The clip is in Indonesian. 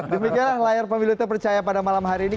demikianlah layar pemilu terpercaya pada malam hari ini